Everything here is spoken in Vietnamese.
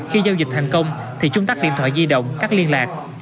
khi giao dịch thành công thì chúng tắt điện thoại di động cắt liên lạc